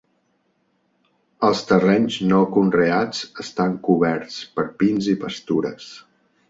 Els terrenys no conreats estan coberts per pins i pastures.